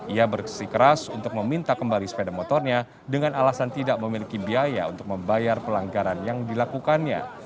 ia bersikeras untuk meminta kembali sepeda motornya dengan alasan tidak memiliki biaya untuk membayar pelanggaran yang dilakukannya